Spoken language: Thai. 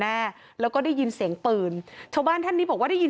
หน้าแล้วก็ได้ยินเสียงปืนชาวบ้านท่านนี้บอกว่าได้ยิน